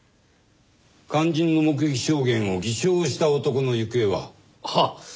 肝心の目撃証言を偽証した男の行方は？はっ。